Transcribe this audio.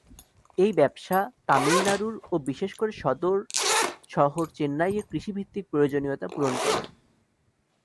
এই ব্যবসা তামিলনাড়ুর ও বিশেষ করে সদর শহর চেন্নাইয়ের কৃষিভিত্তিক প্রয়োজনীয়তা পূরণ করে।